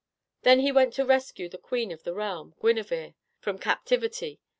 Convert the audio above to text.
Then he went to rescue the queen of the realm, Gwenivere, from captivity.